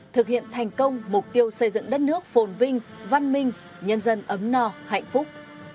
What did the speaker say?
thực hiện thành công mục tiêu xây dựng đất nước phồn vinh văn minh nhân dân ấm no hạnh phúc